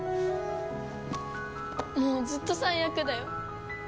もうずっと最悪だよ。